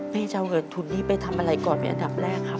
แม่เจ้าเอิญทุนนี่ไปทำอะไรก่อนแม่อันดับแรกครับ